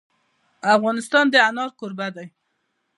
افغانستان د انار کوربه دی.